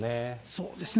そうですね。